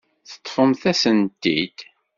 Teṭṭfemt-asent-t-id.